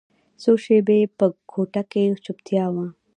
څو شېبې په کوټه کښې چوپتيا وه.